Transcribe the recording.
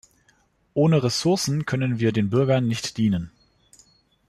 Ohne Ressourcen können wir den Bürgern nicht dienen.